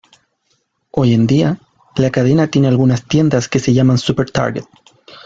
Hoy en día, la cadena tiene algunas tiendas que se llaman "Super Target".